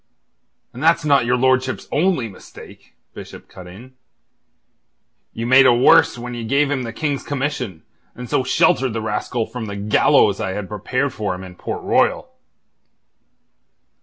"And that's not your lordship's only mistake," Bishop cut in. "You made a worse when you gave him the King's commission, and so sheltered the rascal from the gallows I had prepared for him in Port Royal."